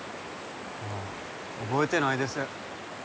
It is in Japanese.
ああ覚えてないです